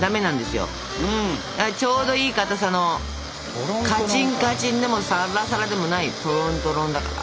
ちょうどいいかたさのカチンカチンでもさらさらでもないトロントロンだから。